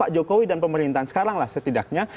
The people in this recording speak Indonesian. pak jokowi dan pemerintahan sekarang lah setidaknya